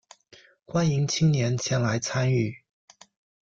欢迎青年前来参与